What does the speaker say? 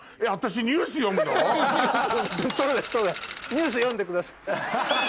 ニュース読んでください。